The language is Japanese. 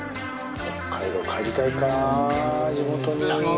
北海道帰りたいかぁ地元に。